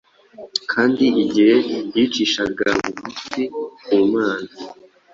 Kandi igihe yicishaga bugufi ku Mana